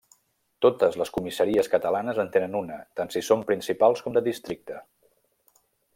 Totes les comissaries catalanes en tenen una, tant si són principals com de districte.